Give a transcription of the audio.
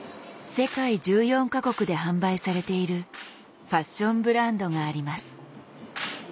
世界１４か国で販売されているファッションブランドがあります。